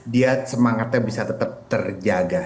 dia semangatnya bisa tetap terjaga